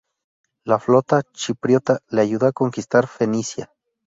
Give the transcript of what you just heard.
La flota chipriota le ayudó a conquistar Fenicia.